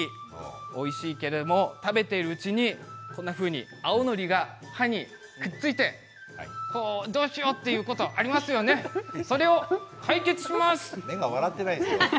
おいしいけれど食べているうちに青のりが歯にくっついてしまうどうしようということありますよね、解決します。